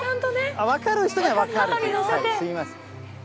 分かる人には分かるという、すみません。